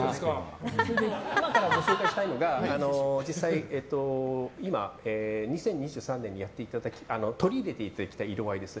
今からご紹介したいのが実際、今２０２３年に取り入れていただきたい色合いです。